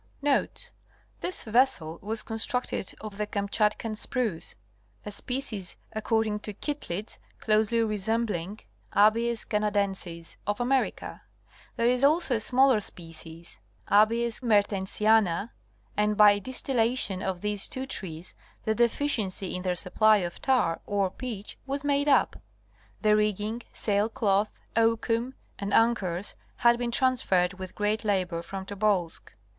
Notes.—This vessel was constructed of the Kamchatkan spruce, a species according to Kittlitz closely resembling Abies canadensis of America. There is alsoa smaller species, A. mertensiana, and by dis tillation of these two trees the deficiency in their supply of tar or pitch was madeup. The rigging, sail cloth, oakum and anchors had been transferred with great labor from Tobolsk.